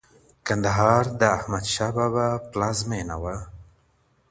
کندهار د احمد شاه بابا پلازمېنه وه.